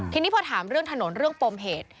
ทีนี้พอถามเรื่องถนนเรื่องปมเหตุ